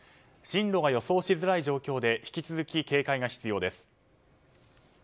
進路が予想しづらい状況で引き続き警戒が必要です。